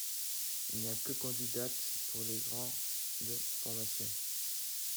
Il n'y a que candidates pour les grandes formations.